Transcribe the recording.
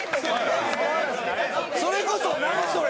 それこそ「なんそれ！」